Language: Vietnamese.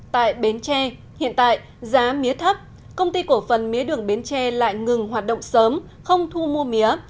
tại bến tre hiện tại giá mía thấp công ty cổ phần mía đường bến tre lại ngừng hoạt động sớm không thu mua mía